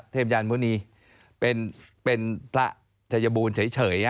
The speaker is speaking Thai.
เทพยานพุนีเป็นพระชัยบูลเฉยอ่ะ